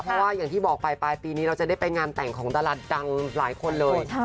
เพราะว่าอย่างที่บอกไปปลายปีนี้เราจะได้ไปงานแต่งของดาราดังหลายคนเลย